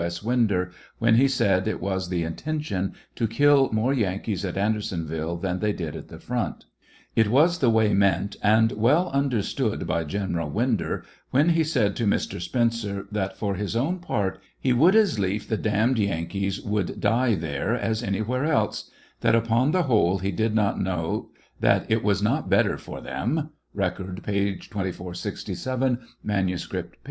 S. Winder, when he said it was the intention to kill more Yankees at Anderson viUe than they did at the front ; it was the way meant, and well understood by General Winder, when he said to Mr. Spencer that, for his own part, he woiald as lief the damned Yankees would die there as anywhere else ; that, upon the whole, he did not know that it was not better for them, (Record, p, 2467 ; manu script, p.